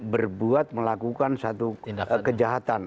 berbuat melakukan satu kejahatan